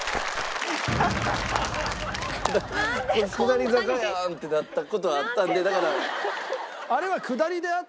「下り坂やん！」ってなった事があったんでだから。